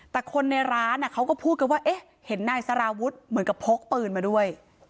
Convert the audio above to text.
แต่คนในร้านเขาก็พูดกันว่าเอ๊ะเห็นนายสารวุฒิเหมือนกับพกปืนมาด้วย